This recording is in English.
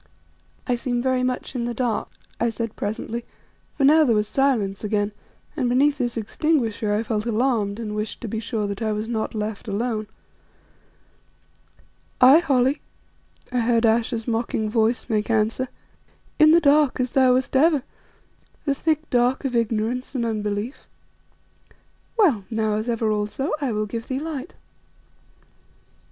"I seem very much in the dark," I said presently; for now there was silence again, and beneath this extinguisher I felt alarmed and wished to be sure that I was not left alone. "Aye Holly," I heard Ayesha's mocking voice make answer, "in the dark, as thou wast ever, the thick dark of ignorance and unbelief. Well, now, as ever also, I will give thee light."